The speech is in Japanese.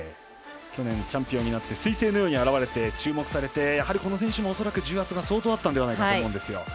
去年チャンピオンになってすい星のように現れて注目されて、この選手も重圧が相当あったんじゃないかと思うんですよ。